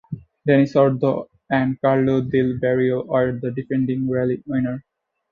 Dani Sordo and Carlos del Barrio were the defending rally winners.